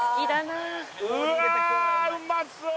うわあうまそう！